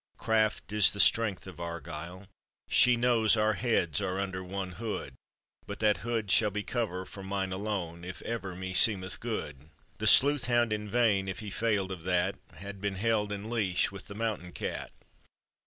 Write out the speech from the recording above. "Craft is the strength of Argyle; she knows Our heads are under one hood, But that hood shall be cover for mine alone, If ever meseemeth good; The sleuth hound in vain, if he failed of that, Had been held in leash with the mountain cat.